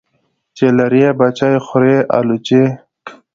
چی لری بچي خوري الوچی .